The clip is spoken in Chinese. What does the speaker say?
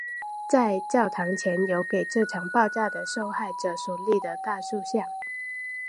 在教堂前有给这场爆炸的受害者所立的大塑像。